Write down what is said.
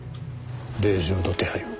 令状の手配を。